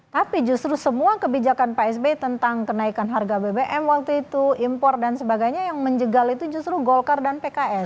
tapi justru semua kebijakan pak sby tentang kenaikan harga bbm waktu itu impor dan sebagainya yang menjegal itu justru golkar dan pks